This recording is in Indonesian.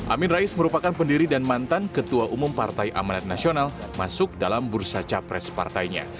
amin rais merupakan pendiri dan mantan ketua umum partai amanat nasional masuk dalam bursa capres partainya